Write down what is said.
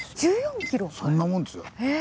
そんなもんですよ。